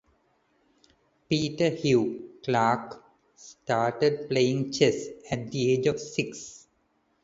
Peter Hugh Clarke started playing chess at the age of six.